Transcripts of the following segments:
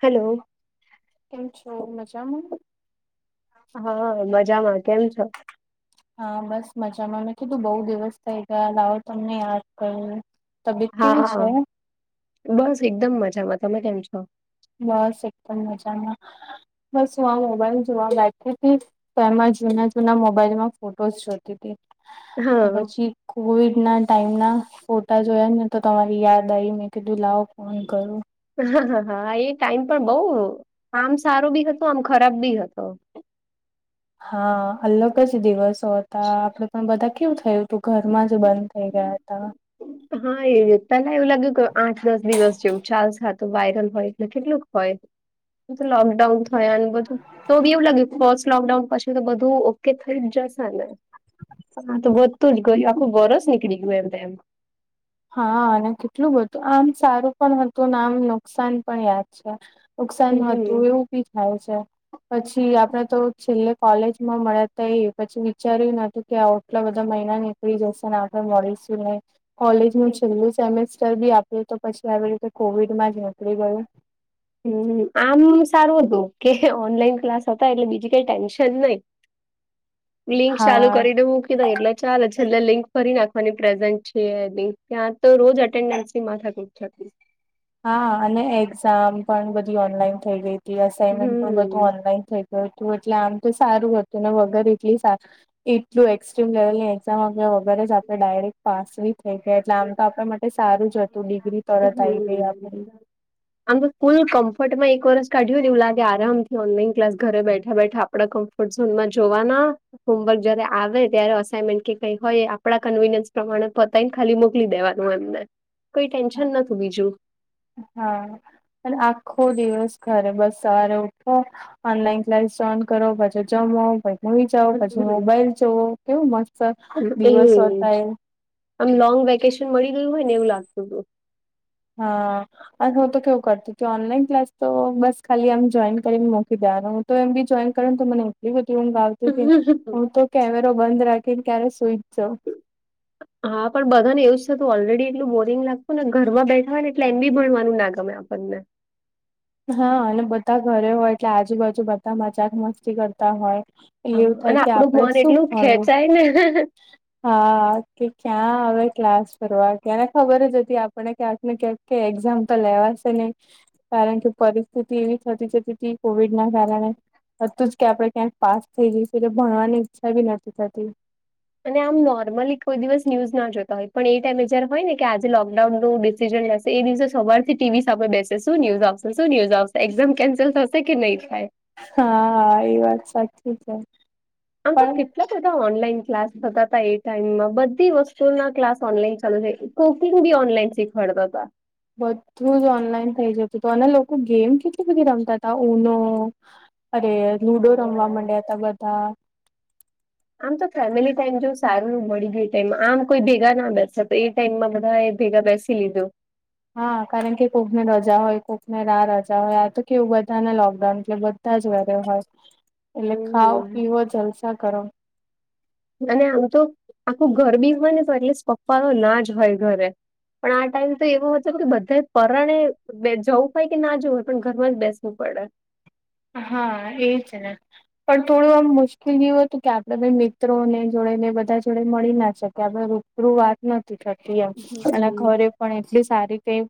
Hello કેમ છો મજામાં- હા મજામાં કેમ છો? હા બસ મજામાં મેં કીધું બહુ દિવસ થઈ ગયા લાવો તમને યાદ કરુ. હા બસ એકદમ મજામાં તમે તેમ છો? બસ એકદમ મજામાં બસ હું આ મોબાઈલ જોવા બેઠી હતી. તો એમાં જૂના જૂના મોબાઈલમાં ફોટોસ જોતી હતી તો હા પછી? કોવિડના ટાઈમના. ફોટા જોયા ને તો તમારી યાદ આવી મેં કીધું લાવો ફોન કરો- હા એ ટાઈમ પણ બઉ આમ સારો બી હતો આમ ખરાબ બી હતો- હા અલગ જ દિવસો હતા આપડે પણ બધા કેવું થયું તું ઘરમાં જ બંધ થઇ ગયા હતા. હા એ પેલા એવું લાગ્યું કે આઠ દસ દિવસ જેવું ચાલ ખ- તો વાયરલ હોય એટલે કેટલુંક હોય? લોકડાઉન થયા બધું તો બી એવું લાગ્યું. લોકડાઉન પછી તો બધું ઓકે થઈ જ જશે ને- હા તો બધું જ ગયું આખું બરોસ નીકળી ગયું એમ તો એમ- હા અને કેટલું બધું આમ સારું પણ હતું ને આમ નુકસાન પણ યાદ- અ્ા નુકસાન હમ હતું એવું બી થાય છે. પછી આપડે તો છેલ્લે કોલેજ માં મળ્યા ત એ પછી વિચાર્યું નથી- કે આટલા બધા મહિના નીકળી જશે ને આપડણે મળીશું ને. કોલેજનું છેલ્લું સેમેિસ્ટર બી આપ્યું તો પછી આવી રીતે કોવિડમાં જ નીકળી ગયું. હમ આમ સારું હતું કે ઓનલાઈન ક્લાસ હતા એટલે બીજી કઈ ટેન્શન નહી. હ [inaudible] લિંક ચાલુ કરીને મૂકી દાય એટલે- ચાલે છેલ્લે લિંક ફરી નાખવાની પ્રેઝન્ટ છે લિક ત્યાં તો રોજ અટેન્ડન્સની માથા કૂટ છે. હા અને એક્ઝામ પણ બધી ઓનલાઈન થઈ ગઈ હતી અસાાઈનમેન્ટ પણ બધું હમ. ઓનલાઈન થઈ- ગયું હતું એટલે આમ તો સારું હતું ને વગર એટલી સારી એટલું એક્સ્ટ્રીમ લેવલની એક્ઝામ આપ્યા વગર જ આપણે ડાયરેક્ટ પાસ નહી થઈ ગયા એટલે આમ તો આપડે- એ સારું જ હતું ડિગ્રી તરત આવી ગઈ હમ. આપડી- આમ તો ફૂલ કમ્ફર્ટ માં એક વરસ કાઢ્યું નેવ લાગે આરામથી ઓનલાઈન ક્લાસ ઘરે બેઠા બેઠા આપડા કમ ફઝોનમાં જોવાના હોમવર્ક જયારે આવે ત્યારે અસાનમેન્ટ કે કઈ હોય આપણા કન્વીનિયસ પ્રમાણે પતા તાઈ ખાલી મોકલી દેવાનું એમને કોઈ ટેન્શન નતું બીજું હા અને આખો દિવસ ઘરે બસ સવારે ઉઠો ઓનલાઈન ક્લાસ જોઈન્ટ કરો પાછું જમો મુવી જાઓ પછી મોબાઈલ જોવો કેવું મસ્ત દિવસો હતા એજ એ આમ લોંગ વેકેશન મળી ગયું હોય ને એવું લાગતું હતું હા. હું તો કેવું કરતી તી ઓનલાઈન ક્લાસ તો બસ ખાલી આમ જોઈન કરીને મુકી દેવાનું તો એમ બી જોઈન કરને તો મને એટલી ઊંઘ આવતી હતી તીતી હતું. હું તો કેમેરો બંધ રાખીને ક્યારે સુઈચ જાઉ હા પણ બધા ને એવું જ થતું ઓલરેડી એટલું બોરિંગ લાગતું ને ઘરમાં બેઠાવા ને એટલે એમ બી ભણવાનું ના ગમે આપણને હા અને બધા ઘરે હોય એટલે આજુબાજુ બધા મજાક મસ્તી કરતા હોય એવું થાય કે આપડે શું ભણવું કઈ નઈ હા કે ક્યાં આવે ક્લાસ ફરવા કે એને ખબર જ હતી આપને ક્યાંક ને ક્યાંક કે એક્ઝામ્પલ લેવાશે નઈ કારણ કે પરિસ્થિતિ એવી થતી જતી હતી કોવિડ ના કારણે હતું જ કે આપડણે ક્યાંક પાસ થઈ જઈશું એટલે ભણવાની ઈચ્છા ભી નથી થતી અને આમ નોર્મલી કોઈ દિવસ ન્યુઝ ના જોતા હોય પણ એ ટાઈમે જ્યારે હોય ને કે આજે લોકડાઉનનું ડિસીિઝન લેશે એ દિવસે સવારથી ટીવી સામે બેસે શું ન્યૂઝ આવશે શું ન્યુઝ આવશે એક્ઝામ કેન્સલ થશે કે નહી થાય હા હા એ વાત સાચી છે આમ તો કે પણ કેટલા બધા ઓનલાઈન ક્લાસ થતા હતા એ ટાઈમમાં બધી વસ્તુ ના ક્લાસ ઓનલાઈન ચાલુ થઈ ગયા કુકિંગ બી ઓનલાઈન શીખવાડતા હતા બધું જ ઓનલાઈન થઇ જતું હતું અને લોકો ગેમ કેટલી બધી રમતા હતા ઉનો અરે લુડો રમવા હા માંડ્યા હતા બધા આમ તો ફેમિલી ટાઈમ જોવું સારું ને મળી ગયુ એ ટાઈમ આમ કોઈ ભેગા ના બેસે તો એ ટાઈમમાં બધા એ ભેગા બેસે કી લીધું હા કારણ કે કોકને રજા હોય કોકને ના રજા હોય આ તો કેવું બધાને લોકડાઉન એટલે તા જ ઘરે હોય એટલે ખાઓ હમ પીવો જલસા કરો અને આમ તો આખું ઘર બી હોયને તો એટલે પપ્પા તો ના જ હોય ઘરે પણ આ ટાઈમ તો એવો હતો કે બધા પરાણે બે જવું હોય કે ના જવું હોય પણ ઘરમાં જ બેસવું પડે હા એજ ને પણ થોડું આમ મુશ્કેલ જેવું હતું કે આપડે મિત્રોને જોડે ને બધા જોડે મળી ના શકી આપણે લોકો રૂબરૂ વાત નથી થતી એમ અનેના હમ ઘરે પણ એટલી સારી કઈ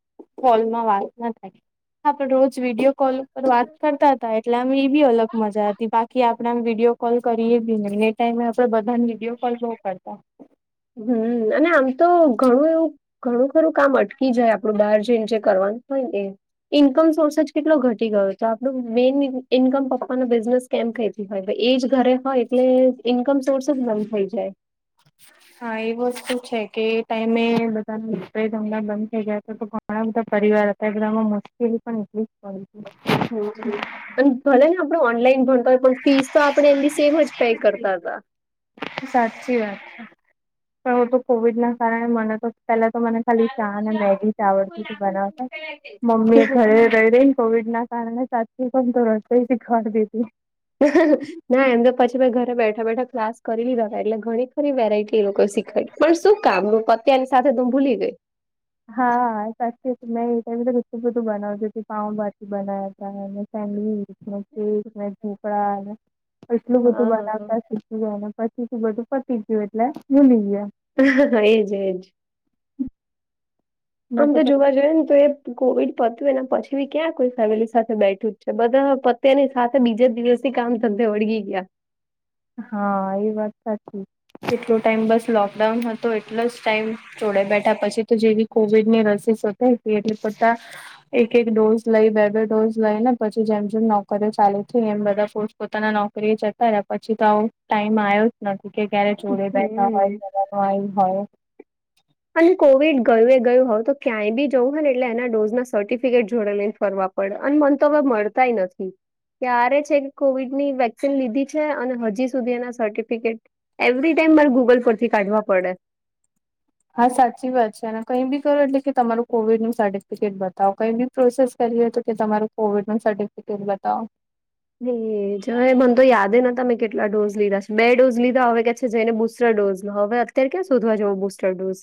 કોલમાં વાત ના થાય રોજ વિડીયો કોલ ઉપર વાત કરતા હતા એટલે આમ એ બી અલગ મજા હતી બાકી આપણેે આમ વિડીયો કોલ કરીએ બી નઈ ને ટાઈમે આપણે બધા વીડિયો કોલ બહુ કરતા હમ્મ અને આમ તો ઘણું એવું ઘણું ખરું કામ અટકી જાય આપણું બહાર જઈને જે કરવાનું હોય ને એ ઇન્કમ સોર્સ જ કેટલો ઘટી ગયો છે આપણું મેઈન ઇન્કમ પપ્પાનો બિઝનેસ કેમ કતી હોય એજ ઘરે હોય એટલે ઈન્કમ સોર્સ જ બમ થઈ જાય. હા એ વસ્તુ છે કે એ ટાઈમે બધા [unintelligible] થઈ ગાય તો ઘણા બધા પરિવાર હતા એ બધામાં મુશ્કેલી પણ એટલી જ પડી હમ અને ભલે ને આપડ ઓનલાઈન ભણતા હોય પણ. ફીસ તો આપણે એમની સેમ જ પે કરતા હતા. સાચી વાત છે પણ હું તો કોવિડ ના કારણે મને તો પેલા તો મને. ખાલી ચા અને મેગી ચાવર સુધી બનાવતા મમ્મી એ ઘરે રહી રઈ ને કોવિડ ના. [unintelligible] રસોઈ શીખવાડી દીધી. [inaudible] ના એમ તો પછી મેં ઘરે બેઠા બેઠા ક્લાસ કરી લીધા એટલે ઘણી ખરી વેરાયટી એ લોકો શીખય પણ શું કામું પત્યાની સાથે તું ભૂલી ગઈ. હા સાચી મેં એ ટાઇમે કેટલું બધું બનાવતી પાઉભાજી બનાવ્યાતા અને સેન્ડવીચ કેક ઢોકળાને એટલું બધું હા બનાવતા શીખી ને પછી થી બધું પતી ગયું એટલે ભૂલી ગયા. એજ એજ. આમ તો જોવા જોઈએ ને તો એ કોવિડ પત્યુંને પછી બી ક્યાં કોઈ ફેમિલી સાથે બેઠું જ છે બધા પત્યની સાથે બીજા દિવ સે કામ ધંધે વળગી ગ્યા. હા એ વાત સાચી જેટલો ટાઈમ બસ લોકડાઉન હતો એટલો જ ટાઈમ જોડે બેઠા પછી તો જેવી કોવિડ ની રસી શોધાઈ ગઈ એટલે બધા એક એક ડોઝ લઈ બે બે ડોઝ લઈ ને પછી જેમ જેમ નોકરીઓ ચાલી છે એમ બધા પોત પોતાના નો કરી એ જતા રા પછી તો આવો ટાઈમ આયો જ નથી કે ક્યારે જોડે બેઠા હોય હમ જવાનું આયું હોય. અને કોવિડ ગયું એ ગયું હવે તો ક્યાંય બી જવું હોય ને એટલે એના ડોઝ ના સર્ટિફિકેટ જોડે લઈને ફરવા પડે અને મન તો હવે મળતાય નથી. ક્યારે છે કે કોવિડ ની વેક્સિન લીધી છે અને હજી સુધી એના સર્ટિફિકેટ એવરી ટાઈમ મારે ગૂગલ પરથી કાઢવા પડે. હા સાચી વાત છે અને કઈ બી કરો એટલે કે તમારું કોવિડ નું સર્ટિફિકેટ બતાવો કઈ બી પ્રોસેસ કરીએ તો કે તમારો કોવિડ નું સર્ટિફિકેટ બતાવો. એજ મને તો યાદ ન તા મે કેટલા ડોઝ લીધા છે બે ડોઝ લીધા હવે કેછે જય ને બુસ્ટર ડોઝ લો હવે અત્યારે ક્યાં શોધવા જો બુસ્ટર ડોઝ.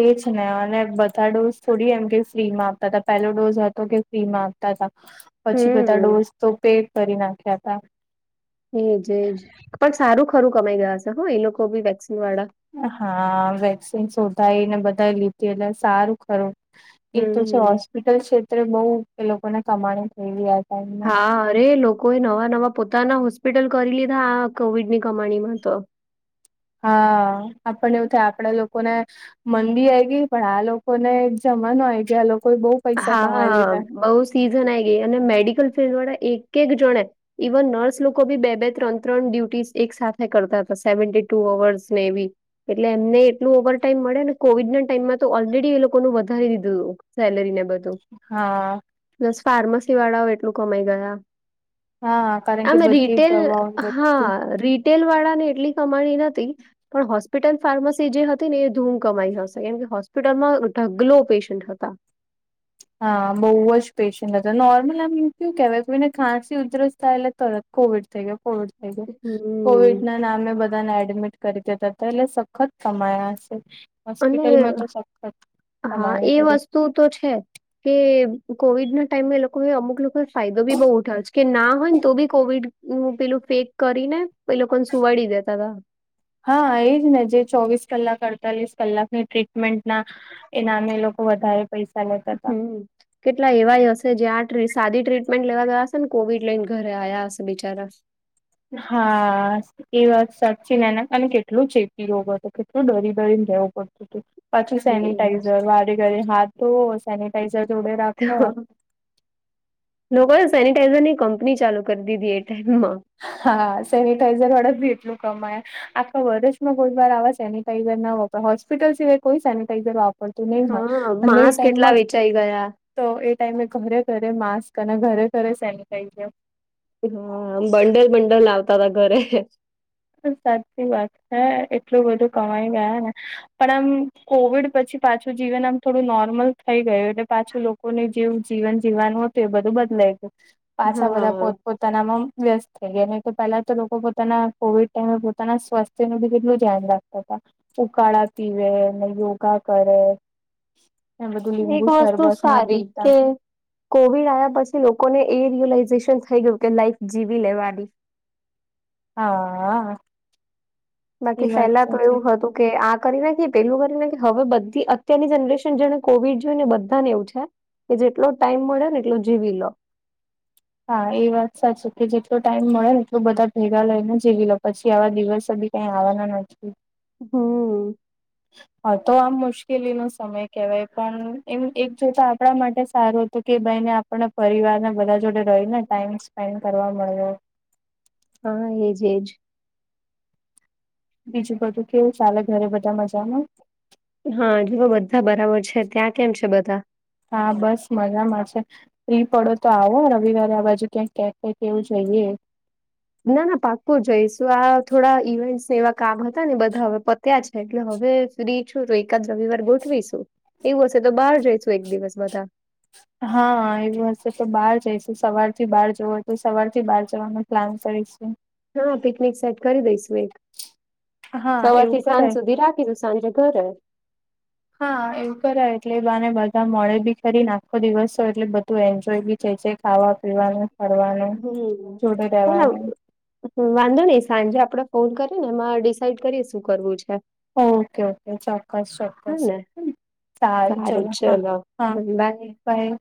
એ જ ને અને બધા ડોઝ થોડી એમ કે ફ્રી માં આપતા હતા પહેલો ડોઝ હતો કે ફ્રીમાં આપતાતા હતા પછી બધા ડોઝ હમ તો પે કરી નાખ્યા હતા. એજ એજ પણ સારું ખરું કમાઈ ગયા છે હો એ લોકો બી વેક્સિન વાળા. હા વેક્સિન શોધાઈ ને બધા લીધી એટલે સારું ખરું એ તો છે હમ હોસ્પિટલ ક્ષેત્રે બઉુ એ લોકોને કમાણી થઈ રહ્યા છે. હા અરે લોકોએ નવા નવા પોતાના હોસ્પિટલ કરી લીધા આ કોવિડની કમાણીમાં તો. હા આપને એવું થાય આપડે લોકોને મંદી આઈ ગઈ પણ આ લોકો ને જમાનો આઈ ગયા આ લોકો બઊ હા બઉ સીઝન આ ગઈ અને મેડિકલ ફિલ્ડ વાળા એક એક જણે ઇવન નર્સ લોકો બી બે બે ત્રણ ત્રણ ડ્યુટી એક સાથે કરતા હતા સેવી ટુ અવર્સ ને એવી. એટલે એમને એટલું ઓવર ટાઈમ મળે ને કોવિડ ના ટાઈમમાં તો ઓલરેડી એ લોકો વધારી દીધું સેલરીને એવું બધું હા. પ્લસ ફાર્મસી વાળાઓ એટલું કમાઈ ગયા. હા કારણ કે આમે બધી રિટેલ દવાઓ હા રી ટેલ વાળા ને એટલી કમાણી નથી. પણ હોસ્પિટલ ફાર્મસી જે હતી ને એ ધૂમ કમાઈ હશે કેમ કે હોસ્પિટલમાં ઢગલો પેશન્ટ હતા. હા બહુ જ પેશન્ટ હતા નોર્મલ આમ હું કેહેવાય કે એને ખાંસી ઉધરસ થાય એટલે તરત કોવિડ થઈ ગયો. કોવિડ થઈ ગયા હમ કોવિડ ના નામે બધાને એડમિટ કરી દેતા હતા એટલે સખત કમાયા હશે. અને હોસ્પિટલમાં તો સખત કમાણી છે. તું તો છે. કે કોવિડ ના ટાઈમે એ લોકોને અમુક લોકોને ફાયદો બી બઉ ઉઠાવે છે કે ના હોય ને તો બી કોવિડ હું પેલું પેક કરીને લોકોને સુવાડી દેતા હતા. હા એજ ને જે ચોવીસ કલાક અડતાલીસ કલાકની ટ્રીટમેન્ટના એ નામે લોકો વધારે પૈસા લેતા હતા. હમ કેટલા એવાય હશે જે આ સાદી ટ્રીટમેન્ટ લેવા ગયા હશે ને કોવિડ લઈને ઘરે આવ્યા હશે બિચારા. હા. એ વાત સાચી ના એના અને કેટલું ચેપી રોગ હતો કેટલું ડરી ડરીને રહેવું પડતું હતું. પછી હમ સેનિટાઈઝર વારે ઘરે હાથ ધોવો સેનિટાઈઝર જોડે રાખો. લોકોને સેનિટાઈઝર ની કંપની ચાલુ કરી દીધી એ ટાઈમમાં. હા સેનિટાઈઝર વાળા ભી એટલું કમાયા. આખા વર્ષમાં બોધવાર આવા સેનિટાઈઝર ના વાપરા હોસ્પિટલ સિવાય કોઈ સેનિટાઈઝર વાપ પણ તું નહી હા અને એ માંસ કેટલા ટાઈમમાં વેચાઈ ગયા તો એ ટાઈમે ઘરે ઘરે માસ્ક અને ઘરે ઘરે સેનિટાઈઝર. હા બંડલ બંડલ લાવતા હતા ઘરે. સાચી વાત છે એટલું બધું કમાઈ ગયા ને પણ આમ કોવિડ પછી પાછું જીવન આમ થોડું નોર્મલ થઈ ગયું એટલે પાછું લોકોને જેવ જીવન જીવવાનું હ તે બધું બદલાઈ ગયું. પાછા બધા હા પોત પોતાનામાં વ્યસ્ત થઈ ગયા નઈ તો પેલા તો લોકો પોતાના કોવિડ ટાઈમે પોતાના સ્વાસ્થ્ય ન બી કેટલું ધ્યાન રાખતા હતા. ઉકાળા પીવે ને યોગા કરે. એ બધું એક લીંબુ વસ્તુ શરબત ને એવું સારી પીતા. કે કોવિડ આવ્યા પછી લોકોને એ રિયલાઈઝેશન થઈ ગયું કે લાઈફ જીવી લેવાની. હા હ. બાકી પહેલા તો એવું હતું કે આ કરી નાખ પેલું કરી ના કે હવે બધી અત્યારની જનરેશન જેને કોવિડ જોય ને બધા ને એવું છે. કે જેટલો ટાઈમ મળે ને એટલો જીવી લો. હા એ વાત સાચી કે જેટલો ટાઈમ મળે એટલો બધા ભેગા લઈને જીવી લો પછી આવા દિવસો બી ક્યાં આવાના નથી. હમ્મ. હા તો આમ મુશ્કેલી નો સમય કહેવાય પણ એમ એક જોતા આપણા માટે સારો તો કે ભાઈ ને આપને પરિવારને બધા જોડે રહીને ટાઈમ સ્પેન્ડ કરવા મળ્યો. હા એજ એજ. બીજું બધું કેઉ ચાલે ઘરે બધા મજામાં? હા જેઓ બધા બરાબર છે ત્યાં કેમ છે બધા? હા બસ મજામાં છે. ફ્રી પડો તો આવો રવિવારે આ બાજુ ક્યાંક કે ક કેવું જઈએ. ના ના પાકકો જઈશું આ થોડા ઇવેન્ટસને એવા કામ હતા ને બધા હવે ત્યાં છે એટલે હવે સુધી છું તો એકાદ રવિવાર ગોઠવીશું. એવું હશે તો બહાર જઈશું એક દિવસ બધા. હા એવું હશે તો બહાર જઈશું સવાર થી બહાર જવો હોય તો સવાર થી બહાર જવાનું. પ્લાન કરીશ. હા પિકનિક સેટ કરી દઈશુ એક. હા એવું સવારથી કરાય સાંજ સુધી રાખીશું સાંજે ઘરે. [inaudible] હા એવું કરાય એટલે એ બાને બધા મળે બી ખરી ને આખો દિવસ તો એટલે બધું એન્જોય બી જે જે ખાવા પીવાનું ફડવાનું જોડે રહેેવાનું. હ વાંધો નઈ સાંજે આપડે ફોન કરીએ ને એમાં ડિસાઈડ કરીએ શું કરવું છે. ઓકે ઓકે ચોક્કસ હ ચોક્કસ ને સારૂ ચલો હા હા. બાય કઈ.